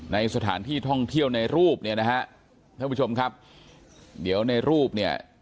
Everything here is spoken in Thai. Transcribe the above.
ในสถานที่ท่องเที่ยวในรูปเนี่ยนะฮะท่านผู้ชมครับเดี๋ยวในรูปเนี่ย